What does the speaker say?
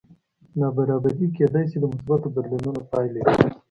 نابرابري کېدی شي د مثبتو بدلونونو پایله وي